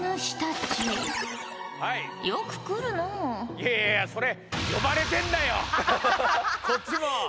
いやいやいやそれこっちも。